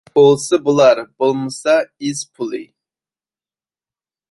بولسا بولار، بولمىسا ئىز پۇلى.